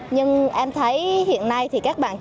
nhưng em thấy hiện nay thì các em không biết